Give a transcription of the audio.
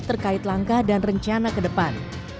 terkait langkah dan rencana ke depan